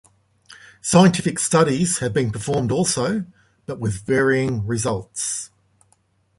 Scientific studies have been performed also, but with varying results.